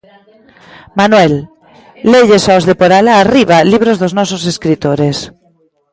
Manuel: lelles aos de por alá arriba libros dos nosos escritores.